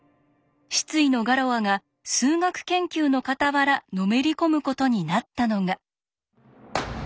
失意のガロアが数学研究のかたわらのめり込むことになったのが。